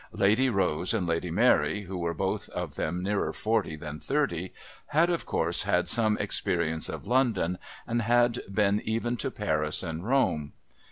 Lady Rose and Lady Mary, who were both of them nearer forty than thirty, had of course had some experience of London, and had been even to Paris and Rome.